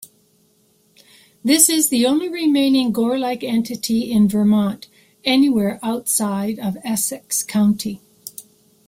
This is the only remaining gore-like entity in Vermont anywhere outside of Essex County.